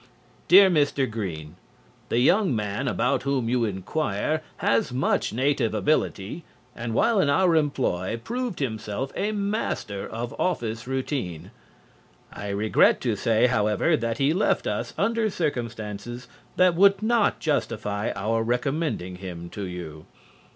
Dear Mr. Green: The young man about whom you inquire has much native ability and while in our employ proved himself a master of office routine. I regret to say, however, that he left us under circumstances that would not justify our recommending him to you.